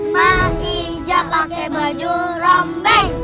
menghijab pakai baju rombeng